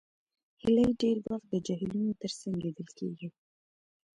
هیلۍ ډېر وخت د جهیلونو تر څنګ لیدل کېږي